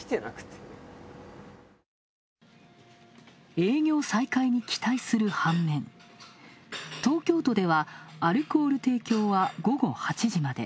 営業再開に期待する反面、東京都ではアルコール提供は午後８時まで。